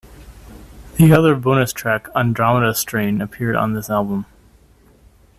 The other bonus track, "Andromeda Dream", appeared on this album.